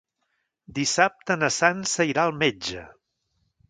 Dissabte na Sança irà al metge.